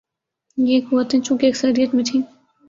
یہ قوتیں چونکہ اکثریت میں تھیں۔